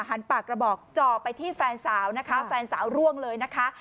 หันปากกระบอกจ่อไปที่แฟนสาวนะคะแฟนสาวร่วงเลยนะคะ